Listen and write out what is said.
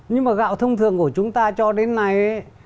nhưng mà gạo thông thường của chúng ta cho đến nay